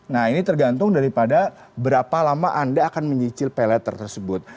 nah ini tergantung daripada berapa lama anda akan menyicil pay letter tersebut